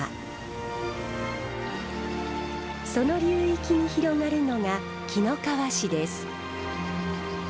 その流域に広がるのが紀の川市です。